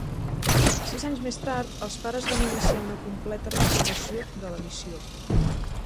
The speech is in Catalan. Sis anys més tard, els pares van iniciar una completa restauració de la missió.